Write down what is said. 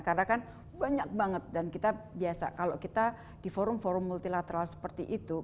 karena kan banyak banget dan kita biasa kalau kita di forum forum multilateral seperti itu